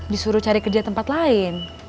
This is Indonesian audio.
disuruh cari kerja tempat lain